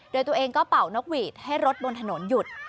โดยตัวเองก็เป่านกหวีดให้รถบนถนนหยุด